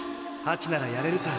ハチならやれるさ。